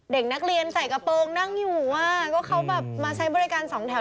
เด็กนักเรียนใส่กระโปรงนั่งอยู่อ่ะก็เขาแบบมาใช้บริการสองแถว